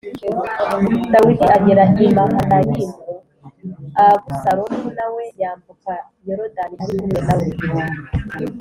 Dawidi agera i Mahanayimu Abusalomu na we yambuka Yorodani ari kumwe na we